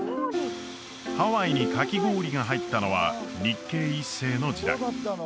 ハワイにかき氷が入ったのは日系１世の時代